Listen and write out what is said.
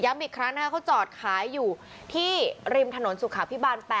อีกครั้งนะคะเขาจอดขายอยู่ที่ริมถนนสุขาพิบาล๘